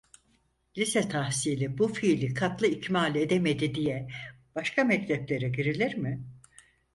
Lise tahsili bu fiili katlı ikmal edemedi diye başka mekteplere girilir mi?